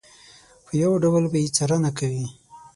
په یو ډول به یې څارنه کوي.